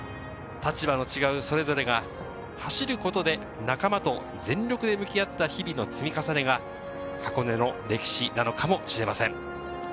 立場の違うそれぞれが走ることで仲間と全力で向き合った日々の積み重ねが箱根の歴史なのかもしれません。